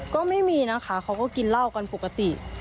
ก็ไม่มีนะคะเขาก็กินเหล้ากันปกติ